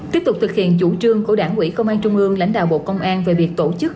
tiếp tục thực hiện chủ trương của đảng quỹ công an trung ương lãnh đạo bộ công an về việc tổ chức